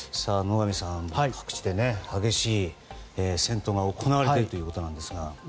野上さん、各地で激しい戦闘が行われているということですが。